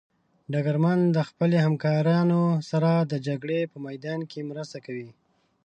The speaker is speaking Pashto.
ډګرمن د خپلو همکارانو سره د جګړې په میدان کې مرسته کوي.